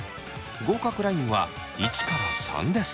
合格ラインは１から３です。